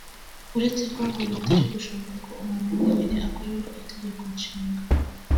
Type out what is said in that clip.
uretse ko ngo bitari gushoboka ko umuntu wenyine akorerwa Itegeko Nshinga